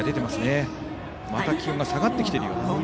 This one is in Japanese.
また気温が下がってきているような。